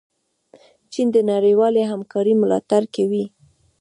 چین د نړیوالې همکارۍ ملاتړ کوي.